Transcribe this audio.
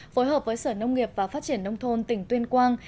phối hợp với sở nông nghiệp và phát triển nông thôn tỉnh tuyên quang